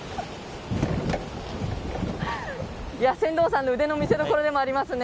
船頭さんの腕の見せどころでもありますね。